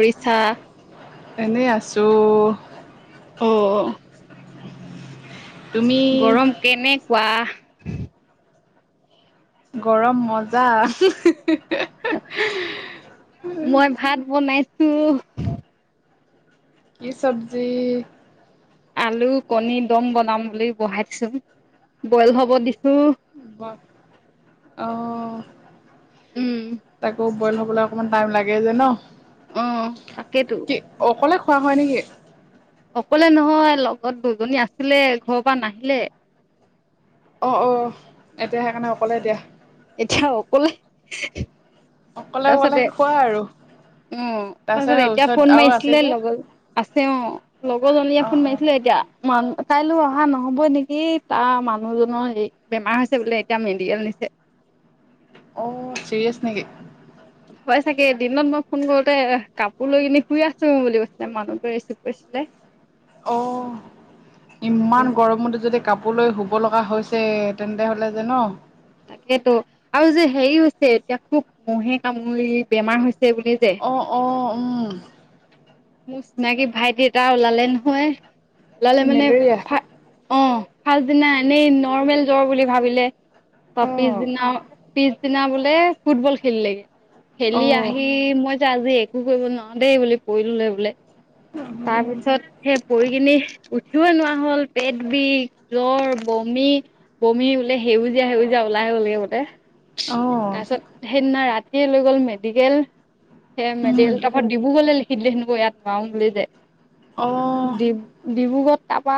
উৰিষ্যা এনেই আছোঁ। অ', অ'। তুমি গৰম কেনেকুৱা? গৰম, মজা। মই ভাত বনাইছো। কি, চবজি। আলু, কণী দম বনাম বুলি বহাই দিছো বইল হ'ব দিছো। ব, অ' উম তাক অ' তাকেইতো অ'। খোৱা হয় নেকি। অকলে নহয় লগত দুজনী আছিলে ঘৰৰ পৰা নাহিলে। অ', অ', এতিয়া সেইকাৰণে অকলে দিয়া। এতিয়া অকলে। অকলে, অকলে খোৱা আৰু। অ' তাৰপিছত সেই এতিয়া ওচৰত ফোন আৰু আছে মাৰিছিলে যে লগৰ আছে অ' লগৰজনীয়ে অ ফোন অ মাৰিছিলে এতিয়া। মই আনোতে কাইলৈ অহা নহবই নেকি তাৰ মানুহজনৰ হেৰি বেমাৰ হৈছে বোলে। এতিয়া মেডিকেল নিছে। অ' চিৰিয়েছ নেকি? হয় চাগে, দিনত মই ফোন কৰোতে কাপোৰ লৈ কিনি শুই আছো বুলি কৈছিলে, মানুহটোৱে ৰিচিভ কৰিছিলে। অহ' ইমান উম। গৰমতো যদি কাপোৰলৈ শুব লগা হৈছে তেন্তে হ'লে জান। তাকেইতো আৰু যে হেৰি হৈছে এতিয়া খুব মহে কামুৰি বেমাৰ হৈছে। সেই বুলি যে। অ অ উম। মোৰ চিনাকি ভাইটি এটা ওলালে নহয়, ওলালে কি মানে মেলেৰিয়া অ' ফাৰ্ষ্ট দিনা এনেই নৰ্মেল জ্বৰ বুলি ভাবিলে অ' পিছদিনা পিছ পিছদিনা বোলে ফুটবল খেলিলেগে, খেলি অ আহি মই আজি একো কৰিব নোৱাৰো দেই বুলি। বঢ়িললে বোলে তাৰ অ পিছত সেই বঢ়ি খিনি উঠিব নোৱাৰা হ'ল, পেট বিষ জ্বৰ, বমি। বমি বোলে সেউজীয়া সেউজীয়া ওলাই বোলে গোটেই। অ', তাৰপিছত সেইদিনা ৰাতিয়ে লৈ গ'ল মেডিকেল। সেই মেডিকেল উম, তাৰপা ডিব্ৰুগড় লৈ লিখি দিলে হেনো ইয়াত নোৱাৰো বুলি যে। অ', ডি ডিব্ৰুগড়ত তাৰাপা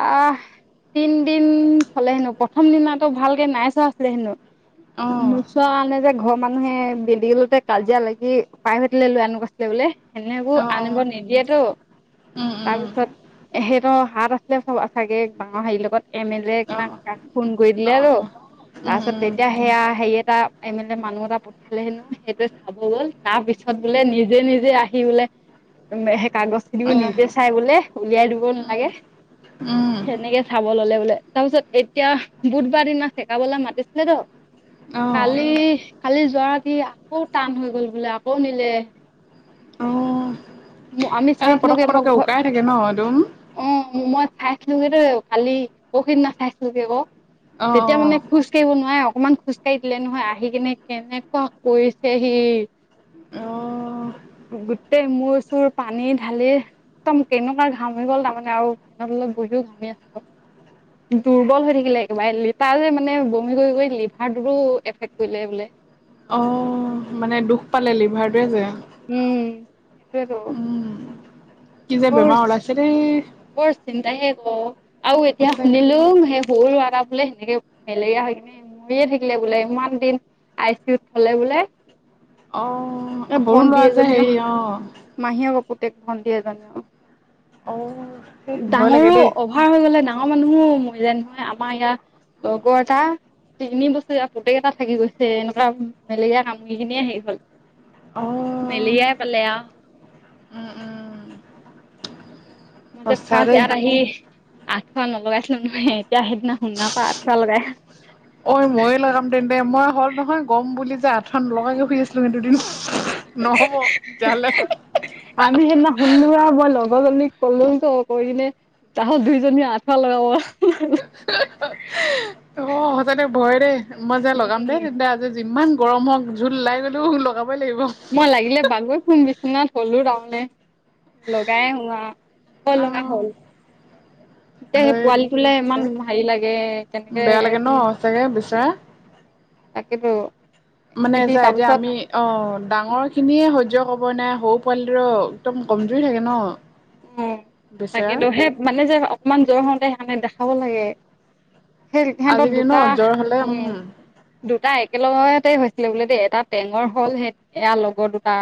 তিনদিন থ'লে হেনো প্ৰথম দিনাতো ভালকে নাইচোৱা আছিলে হেনো। অ', অ', নোচোৱা কাৰণে যে। ঘৰৰ মানুহে মেডিকেলতে কাজিয়া লাগি প্ৰাইভেট লৈ আনো কৈছিলে বোলে। সেনেকো আনিব অ', নিদিয়েতো উম, উম, তাৰপিছত ইহঁতৰ হাত আছিলে চ'ব চাগৈ ডাঙৰ হেৰি লগত। এমে লে না কাক অ', তাক ফোন কৰি অ', দিলে আৰু অ', উম, তাৰপিছত উম, তেতিয়া সেয়া হেই এটা এম এল এ মানুহ এটা পঠিয়ালে হেনো সেইটোৱে চাব গ'ল তাৰ পিছত বোলে নিজে নিজে আহি বোলে সেই কাগজ খিনিয়ো এ নিজে চাই বোলে উলিয়াই দিব নালাগে। উম, উম, সেনেকে চাব ল'লে বোলে। তাৰ পিছত এতিয়া বুধবাৰ দিনা চেকাবলে মাতিছিলে তো অ', কালি কালি যোৱা ৰাতি আকৌ টান হৈ গ'ল বোলে আকৌ নিলে। অ', আমি এ পতক চাইছিলোগে মই পটককে ঘৰত উকাই থাকে ন একদম। অ মই চাইছিলো গৈ কালি পৰসী দিনা চাইছিলো গৈ আকৌ। অ', তেতিয়া মানে অ', খোজ কাঢ়িব নোৱাৰে। অকমান খোজকাাঢ়ি দিলে নহয়, আহি কেনে কেনেকুৱা কৰিছেহি। অ', গোটেই মূৰ চোৰ পানী ঢালি একদম কেনেকুৱা ঘাম। ঘামি গ'ল তাৰমানে আৰু ফেন তলত বহিও ঘামি আছিলোঁ দুৰ্বল হৈ থাকিলে, একেবাৰে লিটাৰ যে মানে বমি কৰি কৰি লিভাৰটোৰো এফেক্ট কৰিলে বোলে। অ' মানে দুখ পালে লিভাৰটোৱে যে। উম, সেইটোৱেটো। উম, কি যে বেমাৰ ওলাইছে দেই। বৰ চিন্তা হে ঘৰৰ আৰু এতিয়া সঁচাকে শুনিলো সেই বড়ো ল'ৰা এটা বোলে সেনেকে মেলেৰিয়া হৈ কিনে মৰিয়ে থাকিলে বোলে ইমান দিন আই চি ইউ থ'লে বোলে। অ', বলে এই সৰু ল'ৰা ভণ্টি যে এজনীও হেৰি অ', মাহীয়েক তেক ভণ্টি এজনী অ' অ', ভয় লাগে ডাঙৰো দেই অভাৰ হৈ গ'লে না ডাঙৰ মানুহো মৰিলে নহয় আমাৰ ইয়াত তগৰ দা। তিনি বছৰীয়া পুতেক এটা থাকি গৈছে। এনেকুৱা মেলেৰিয়া কামৰিখিনিয়ে হেৰি হ'ল। অ', মেলিয়াই পালেয়া। উম, উম। মই যে সঁচা ফাৰ্ষ্ট দেই ইয়াত আহি। আঠুৱা নলগাইছিলো নহয়। এতিয়া সেইদিনা শুনা পা আঠুৱা লগাই ঐ ময়ে লগাম তেন্তে, মই হ'ল নহয় গ'ম বুলি ফন লগাইে শুই আছিলো কিন্ত দুদিন নহ'ব। তেতিয়া হ'লে ভুললো আৰু মই লগৰজনীক ক'লো তো কৰি কিনে তাহাত দুইজনীয়ে আঠু লগাব অ'। অ সঁচা দে ভয় দেই মই যে লগাম দেই উম তেন্তে আজি যিমান গৰম হওক জোল ওলাই গ'লেও লগাম। মই লাগিলে বাগৰি শুম বিচনাত হ'লও তাৰমানে। লগাই আহো আহ, হ'ল লগাই অ' হ'ল। হয় [unintelligible] তে হেই পোৱালিটোলে ইমান সঁচাকে হেৰি লাগে। কেনেকে বেয়া লাগে ন সঁচাকে বিচৰা তাকেতো। মানে এতি চা এতিয়া তাৰপিছত আমি অ' ডাঙৰ খিনিয়ে হয় তোৱে কব নোৱাৰে, সৰু পোৱালি ৰ একদম কমজুৰি থাকে ন। উ বেচেৰা তাকেতো সেই মানে যে অকমান জ্বৰ হওঁতে সেই কাৰনে দেখাব লাগে। সেই সিহ'তৰ আজিকালি ন দুটা জ্বৰ হ'লে উম দুটা এক একেলগতে হৈছিলে বোলে দেই এটা টেঙৰ হ'ল। সেই এয়া লগৰ দুটা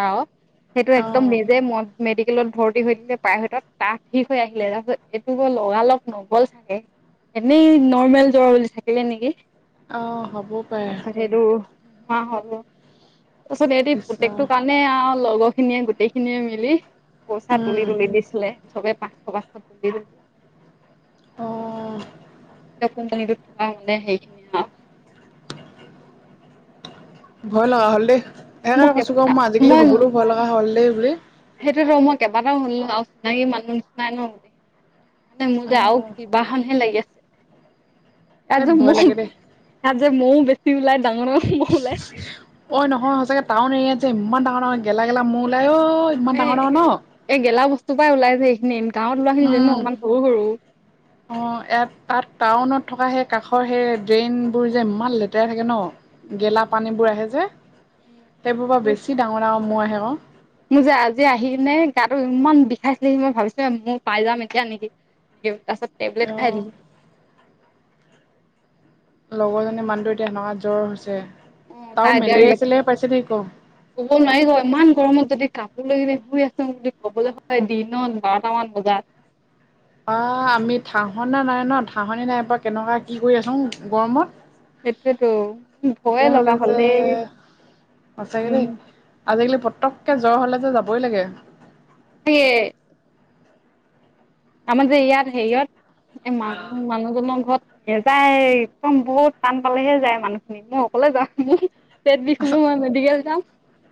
সেইটো এক্দম অ' নিজে ম মেডিকেলত ভৰ্তি হৈ দিলে। পায় সি তাত ঠিক হৈ আহিলে তাৰপিছত এইটো 'হব লগা লগ নগ'ল চাগে। এনেই নৰ্মেল জ্বৰা বুলি থাকিলে নেকি? অ' হ'ব পাৰে। হা' হ'ব তাৰিছত এই ইছ ৰাম পুতেকটোৰ কাৰণে আৰু ল'লো। খিনিয়ে গোটেই খিনিয়ে মিলি পইচা তুলি উম, তুলি দিছিলে। চবে পাঁচশ পাঁচশ অ' এয়া কোম্পানীটোত থকা মানে সেইখিনি আৰু। ভয় লগা হ'ল দেই এই কাৰনে মোক কৈছো ক মই আজিকালি ঘুৰিবলৈ ভয় লগা হ'ল দেই বুলি। সেইটো হয়মই কেইবাটাও শুনিলো আৰু চিনাকি মানুহ নিচিনাই ন গোটেইখিনি। নে মোৰ আও অ', কিবা খন হে লাগি আছে। ইয়াত ধেত যে ভয় মৌ লাগে দেই। ইয়াত যে মৌ বেছি ওলাই ডাঙৰ ডাঙৰ মৌ ওলাই। অ', নহয় সঁচাকে টাউন এৰিয়াত যে ইমান ডাঙৰ ডাঙৰ গেলা গেলা ম'হ ওলাই অ'। ইমান এ ডাঙৰ ডাঙৰ ন? এই গেলা বস্তুৰ পৰাই ওলাইছে এই খিনি। এনে উম অ এ তাত টাউনত থকা সেই কাষৰ সেই ড্ৰেইনবোৰ যে ইমান লেতেৰা থাকে ন। গেলা উম, পানীবোৰ আহে যে, সেইবোৰ পৰা মই বেছি ডাঙৰ ডাঙৰ ম'হ আহে আকৌ। মোৰ যে আজি আহি কিনে গাটো ইমান বিষাইছিলেহি মই ভাবিছো মই পাই যাম এতিয়া নেকি। বিষত পাছত টেবলেট খাই অ', দিলো। লগৰ জনীৰ মানুহটো এতিয়া এনেকুৱা জ্বৰ হৈছে। অ তাৰো তাইতো মেলেৰিয়া চেলেৰিয়া পাইছে নেকি ক? কব নোৱাৰিব ইমান গৰমত যদি কাপ শুই আছো বুলি ক'বলৈ হয় দিনত বাৰটামান বজাত অ আমি থাহনা নাই ন থাহনি নাইপ কেনেকুৱা কি কৰি আছো গৰমত। এইটোয়েতো ভয়ে তেতিয়াহ'লে লগা হ'ল যে দে। সঁচাকে দেই আজিকালি পতককে জ্বৰ হ'লে যে যাবই লাগে। ে [unintelligible] আমাৰ যে ইয়াত হেৰিয়ত এ মানু মানুহজনৰ ঘৰত নেযায় একদম বহুত টান পালেহে যায় মানুহখিনি। মই অকলে যাওঁ ম পেট বিষ হ'ল। মই মেডিকেল যাম।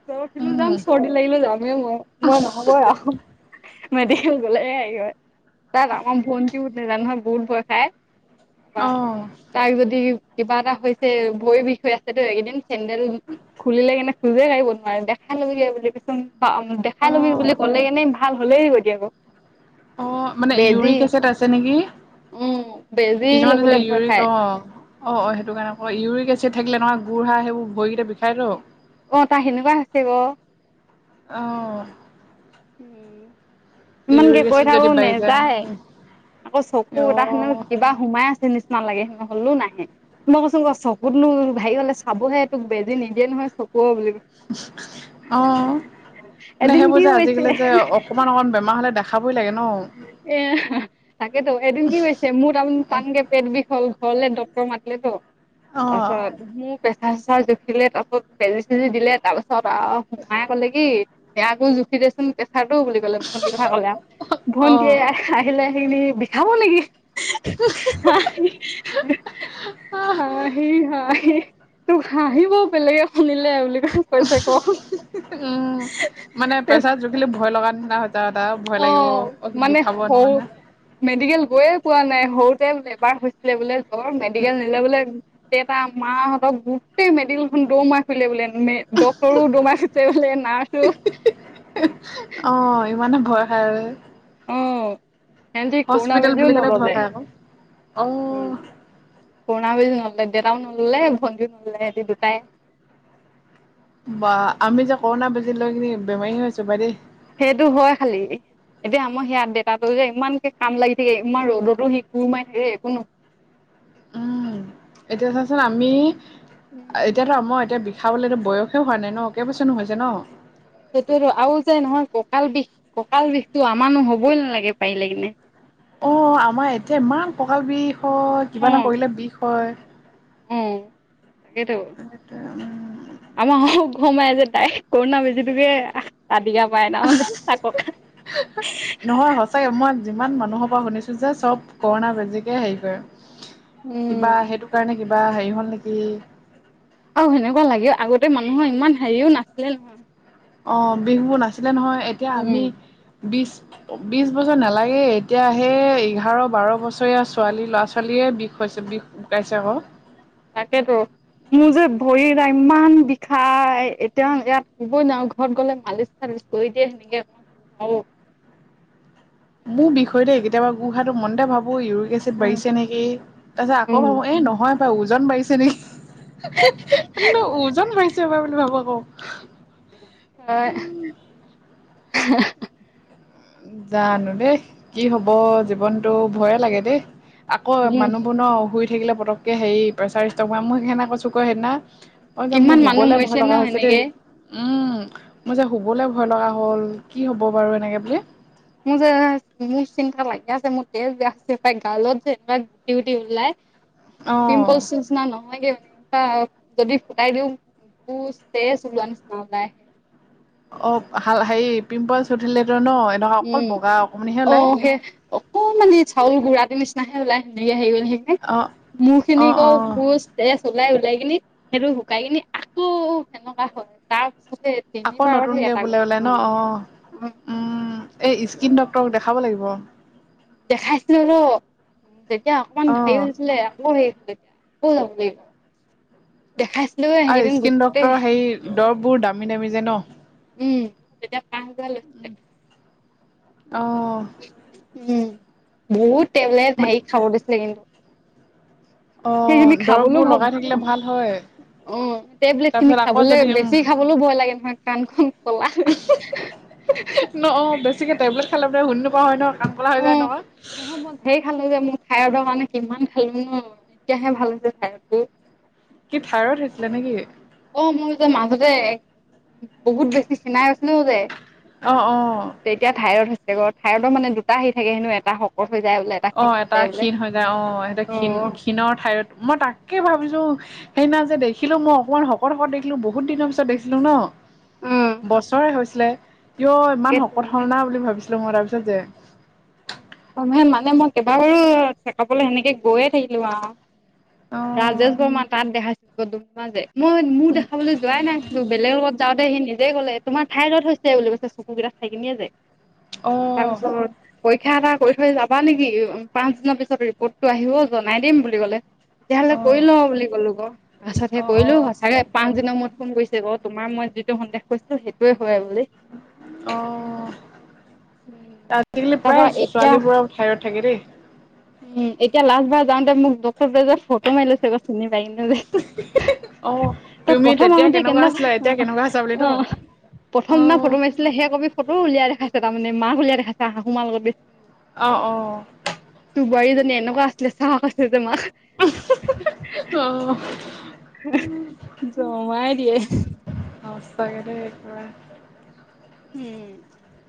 জ্বৰ উঠিলেও উম যাম চৰ্দি লাগিলে যামেই মই। মই নহব আহ। মেডিকেল গ'লেহে হেৰি হয়। তাইক আমাৰ ভণ্টিও নাযায় নহয় বহুত ভয় খায়। অ তাইক যদি কিবা এটা হৈছে ভৰি বিষ আছেতো এই কেদিন, চেন্দেল খুলিলেগে ন। খুজে কাঢ়িব নোৱাৰে, দেখাই ল'বি গে বুলি পিছত অ দেখাই ল'বি বুলি ক'লে কেনেই ভাল ভলেই আহিবতি আকৌ। অ' মানে বেজি ইউৰিক এছেড আছে নেকি। উম বেজি কিছুমান আছে ল'বলে ভয় ইউৰি, খাই অ'। অ' অ' সেইটো কাৰণে, আকৌ ইউৰিক এচিড থাকিলে নহয় গুুৰ়া সেইবোৰ ভৰিকেইটা বিষায়তো। অ' তা সেনেকুৱা হৈছে গ। অ'। উম। ইমানকে ইউৰিক কৈ এচিড থাকো যদি বাঢ়ি যায় নেযায়, আকৌ চকু অ তাৰ খি কিবা সোমাই আছে নিচিনা নালাগে, হ'লে নাহে, তুমি কোবাচোন ক চকুতনো হেৰি হ'লে চাবোহে তোক বেজি নিদিয়ে নহয় চকু ব অ', নে এদিন কি সেইবোৰ যে হৈছে আজিকালি যে অকমান অকমান বেমাৰ হলে দে খাবই লাগে ন। এ, তাকেতো এদিন কি কৈছে মোৰ তাৰ টানকে পেট বিষ হল। ঘৰলে ডটৰ মাতিলে তো, অ তাৰপিছত মোৰ চচাৰ চচাৰ জুখিলে তাৰপিছত, বেজি চেজি দিলে তাৰপিছত সোমাই কলে কি আকো জুখি দেচোন পেছাৰটো বুলি কলে ভণ্টীৰ কথা কলে, আৰু ভণ্টীয়ে অ', আহিলে। ি বিষাব নেকি। [unintelligible] হ হ হাহি হাহি তোক হাঁিব বেলেগে শুনিলে বুলি। কৰিছে, ক উম। মানে প্ৰেছাৰ জুখিলে ভয় লগা নিচিনা হৈ যায় আৰু ভয় লাগিব অ', মানে বিষাব হ নোৱাৰা নিচিনা। মেডিকেল গৈয়ে পোৱা নাই সৰুতে এবাৰ হৈছিলে বোলে জ্বৰ মেডিকেল নিলে বোলে, দেউতা মাহাহতৰ গোটেই মেডেলখন দৌ মাই ফুললে বোলে। ড্ক্তৰো দৰমাই ফুৰিছে, বোলে নাৰ্ছো। অ', ইমানে ভয় খাই ব অ' সিহঁতি কৰুনা বেজি ও বুলি ক'লে ভয় নললে, খাই আকৌ। উম। অ', কৰুনা বেজি নললে দেতাও নললে ভন্টিও নললে স দুটাই বা আমি যে কৰোণা বজি লৈ কি বেমাৰী হৈ আছো বাই দেই। সেইটো হয় খালি। এতিয়া আমাৰ সেয়াত দেতাতো যে ইমানকে কাম লাগি থাকে, ইমান ৰ'দতো সি খোৰমাই থাকে একো ন উম, এতিয়া চোৱাচোন আমি এতিয়াতো আমাৰ এতিয়া খাবলৈতো বয়সে হোৱা নাই ন, কেবছৰ নো হৈছে ন। সেইটো আৰু যে নহয় কঁকাল বিষ কঁকাল বিষটো আমাৰনো হবই নালাগে পাৰিলে কিনে। অ' আমাৰ এতিয়া ইমান ককাল বিষ হয়, কিবা এটা কৰিলে বিষ হয়। উম, তাকেইে তো আমাৰ ঘুমাই যে তাই কৰোণা বেজি তোকে ৰাতিকা পায়, তাৰমানমানে তাক নহয় সঁচাকে মই যিমান মানুহৰ পৰা শুনিছো যে চব, কৰোণা বেজিকে হেৰি কৰে, উম, কিবা সেইটো কাৰণে কিবা হেৰি হ'ল নেকি আৰু সেনেকুৱা লাগে আগতে মানুহৰ ইমান হেৰিও নাছিলে নহয়। অ' বিষবোৰ নাছিলে নহয় এতিয়া উম। আমি বি বি বছৰ নালাগে এতিয়াহে এঘাৰ বাৰ বছৰীয়া ছোৱালী ল'ৰা ছোৱালী এ বিষ হৈছে, বিষ গুটাইছে আকৌ। তাকেতো। মোৰ যে ভৰি ইমান বিষাই, এতিয়া ইয়াত কবই নোৱাৰো ঘৰত গ'লে মালিচ চালি কৈ দে নিকে আৰু। মোৰ বিষয়তে কেতিয়াবা গুহাটো মনতে ভাবো‌ ৌ ইউৰিক এচিড বাঢ়িছে নেকি, তাৰপাছত আকৌ উম, ভাবো এ নহয় বাৰ ওজন বাঢ়িছে নেকি। ন ওজন বাঢ়িছে বুলি ভাবো। অ', উম। [unintelligible] জানো দেই, কি হব জীৱনটো ভয়ে লাগে দেই। আকৌ উম, মানুহবোৰ ন' শুই থাকিলে পটককে হেৰি প্ৰেছাৰ ষ্ট'ক বা মই সেইকাৰনে কৈছো আক' সেইদিনা অ', যাম মোৰ কিমান মানুহ শুবলৈ ভয় মৰিছে ন লগা হৈছে দেই। সেনেকে উম মোৰ যে শুবলৈ ভয় লগা হ'ল কি হ'ব বাৰু এনেকৈ বুলি! মোৰ যে মোৰ যি চিন্তা লাগি আছে মোৰ [unintelligible] গালত যে এনেকুৱা গুটি গুটি ওলাই। অ পিম্পলছ নিচিনা নহয়গে যদি ফুটাই দিও পুচ তেজ ওলোৱা নিচিনা ওলাই আহে। অপ‌ হাল হেৰি পিম্পলচ উঠিলে উম অ', সেই অকমানি চাউল গুড়াটো নিচ [unintelligible] অ মোৰ খিনি অ আকৌ অ পোজ তেজ ওলাই লাই কিনি সেইটো শুকাই কিনি আকৌ সেনেকুৱা হয় তাৰ পিছতে আকৌ তিনিবাৰতহে নতুনকে এটা বোলে গুটি ওলে ন অ', অ উম। এই ইস্কিন ডক্তৰক দেখাব লাগিব। দেখাইছিলোটো তেতিয়া অকমান হে অ হৈছিলে আকৌ হেৰি [unintelligible] দেখাইছিলো সেকেইদিন গোটেই দৰববোৰ দামী দামী যে ন? উম তেতিয়া পাঁচহাজাৰ লৈছিলে। অ'। উম বহুত টেবলেট হেৰি খাব দিছিলে কিন্তু। সেইখিনি অ', খাবলৈও দৰববোৰ ভ লগাই থাকিলে ভাল হয়। অ', টেবলেট খিনি তাৰপিছত আকৌ খাবলৈ যদি উম বেছি খাবলৈও ভয় লাগে নহয় কাণখন কলা হৈ ন অ', বেছিকে টেবলেট খালে যে শুনি নোপোৱা হয় ন কান কলা হৈ যায় নহয়। থাইৰইডৰ কাৰণে কিমান খালোঁ নহয়, এতিয়াহে ভাল হৈছে খাইৰডটো। কি থাইৰড হৈছিলে নেকি? মোৰ যে মাজতে বহুত বেছি খিনাই গৈছিলো যে অ', অ'। তে থাইৰইডৰ মানে দুটা হেৰী থাকে হেনো এটা শকত হৈ যায় বোলে ক্ষীণ অ', হৈ এটা যায় বোলে ক্ষীণ হৈ যায় অ সেইটো ক্ষীণ ক্ষীণৰ থাইৰইড। মই তাকে ভাবিছো সেইদিনা যে দেখিলো মই অকমান শকত শকত দেখিলো, বহুত দিনৰ পিছত দেখিলো ন', উম বছৰে হৈছে ছিলে ইয়' ইমান তাকে শকত হল না বুলি ভাবিছিলো মই তাৰপিছত যে। মানে মই কেইবাবাৰো চেকাপলৈ সেনেকে গৈয়ে থাকিলো আৰু। অ ৰাজেশ বৰ্মা তাত দেখাইছিলোঁ [unintelligible] যে। মই মোক দেখাবলৈ যোৱাই নাছিলো বেলেগ লগত যাওঁতে সি নিজে ক'লে তোমাৰ থাইৰইড হৈছে বুলি কৈছে চকু কেইটা চাই কিনিয়ে যে উম তাৰপিছত পৰীক্ষা এটা কৰি থৈ যাবা নেকি? পাঁচ দিনৰ পিছত ৰিপৰ্টটো আহিব জনাই দিম বুলি ক'লে। তেতিয়াহ'লে অ কৰি অ লওঁ বুলি কলো আক' পাছত সে অ', কৰিলো অ', সঁচাকে পাঁচ দিনৰ মূৰত ফোন কৰিছে আকৌ তোমাৰ মই যিটো সন্দেহ কৰিছিলো সেইটোয়ে অ', আজিকালি তাৰপা প্ৰায় এতিয়া ছোৱালীবোৰৰ থাইৰইড থাকে দেই। উম এতিয়া লাষ্টবাৰ যাওঁতে মোক ডক্টৰ টোৱে যে ফটো মাৰি লৈছে চিনি পাই অ', কিনি তই তুমি প্ৰথম তেতিয়া আহোতে কেনেকুৱা কেনে আছিলা এতিয়া অ', কেনেকুৱা আছা বুলি ন? অ' প্ৰথম দিনা অ', ফটো মাৰিছিলে সেই কপি ফটোও উলিয়াই দেখাইছে তাৰমানে মাক উলিয়াই দেখাইছে সাহু মা লগত গৈ অ', অ'। বোৱাৰীজনী এনেকুৱা আছিলে চাহ কৈছ [unintelligible] অ'। [unintelligible] জমাই দিয়ে। সচাকে দেই পুৰা। উম।